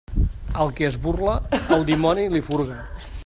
Al que es burla, el dimoni li furga.